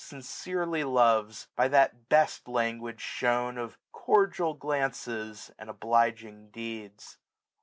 Sincerely loves, by that best language shewn Of cordial glances, and obliging deeds.